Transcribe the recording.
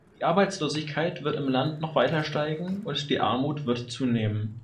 Die Arbeitslosigkeit wird im Land noch weiter steigen, und die Armut wird zunehmen.